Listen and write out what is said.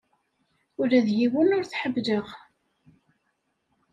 Ula d yiwen ur t-ḥemmleɣ.